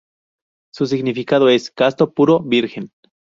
Su significado es "casto, puro, Virgen".